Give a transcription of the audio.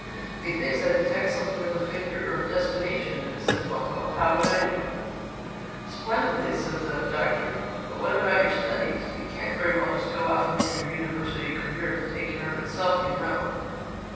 "Methinks I detect something of the finger of Destination in this," said Bumpo. "How would I do?" "Splendidly," said the Doctor. "But what about your studies? You can't very well just go off and leave your university career to take care of itself, you know."